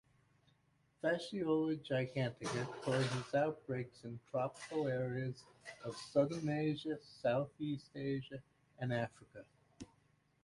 "Fasciola gigantica" causes outbreaks in tropical areas of southern Asia, Southeast Asia, and Africa.